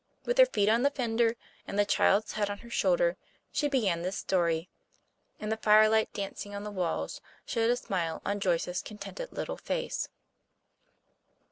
With her feet on the fender, and the child's head on her shoulder, she began this story, and the firelight dancing on the walls, showed a smile on Joyce's contented little face.